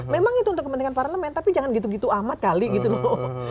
memang itu untuk kepentingan parlemen tapi jangan gitu gitu amat kali gitu loh